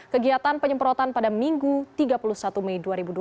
kegiatan penyemprotan pada minggu tiga puluh satu mei dua ribu dua puluh